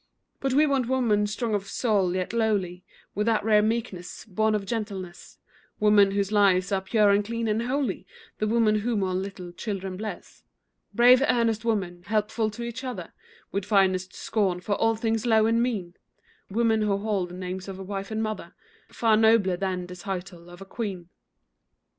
But we want women, strong of soul, yet lowly, With that rare meekness, born of gentleness; Women whose lives are pure and clean and holy, The women whom all little children bless; Brave, earnest women, helpful to each other, With finest scorn for all things low and mean; Women who hold the names of wife and mother Far nobler than the title of a queen.